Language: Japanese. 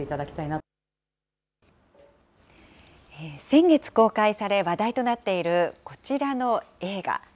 先月公開され、話題となっているこちらの映画。